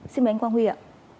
xin mời anh quang huy ạ